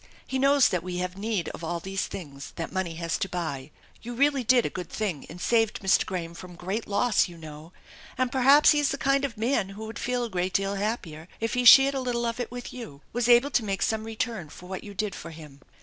He knows that we have need of 'all these things' that money has to buy. You really did a good thing and saved Mr. Graham from great loss, you know, and perhaps he is the kind of man who would feel a great deal happier if he shared a little of it with you, was able to make some return for what you did for him.